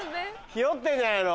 ひよってんじゃないの？